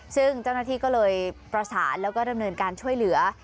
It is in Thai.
ซึ่งเจ้าหน้าที่ก็เลยประสานแล้วก็ดำเนินการช่วยเหลือ